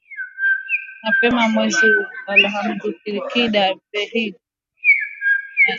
mapema mwezi huu ikiwa ni changamoto kwa Waziri Mkuu wa muda Abdulhamid Dbeibah